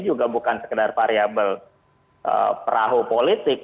juga bukan sekedar variable perahu politik